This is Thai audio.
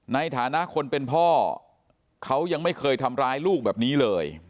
ในฐานะคนเป็นพ่อเขายังไม่เคยทำร้ายลูกแบบนี้เลย